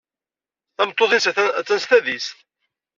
Tameṭṭut-nnes attan s tadist.